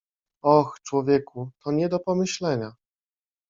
"Oh, człowieku, to nie do pomyślenia."